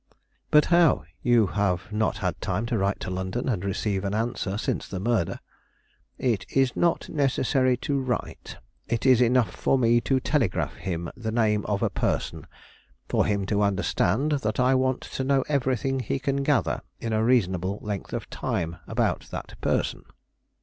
"But how? You have not had time to write to London, and receive an answer since the murder." "It is not necessary to write. It is enough for me to telegraph him the name of a person, for him to understand that I want to know everything he can gather in a reasonable length of time about that person."